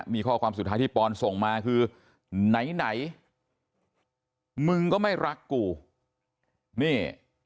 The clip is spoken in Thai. มีข้อความสุดท้ายที่ปอนส่งมาคือไหนไหนมึงก็ไม่รักกูนี่